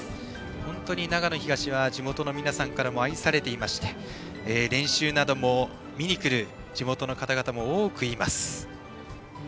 本当に長野東は地元の皆さんから愛されていまして練習なども見に来る地元の方々も多くいます。